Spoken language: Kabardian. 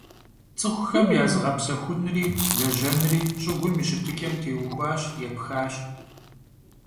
Ts'ıxuxem ya zığepsexunri lejenri ş'ıgum yi şıtıç'em têuxuaş, yêpxaş.